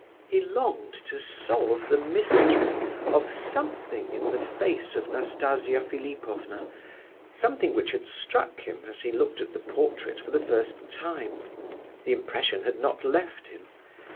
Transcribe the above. He longed to solve the mystery of something in the face of Nastasia Philipovna, something which had struck him as he looked at the portrait for the first time; the impression had not left him.